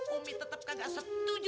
umi tetep kagak setuju